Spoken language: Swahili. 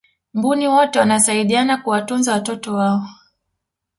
mbuni wote wanasaidiana kuwatunza watoto wao